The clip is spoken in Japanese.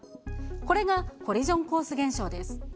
これがコリジョンコース現象です。